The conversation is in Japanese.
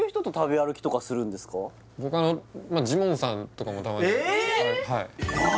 僕あのジモンさんとかもたまにえー！？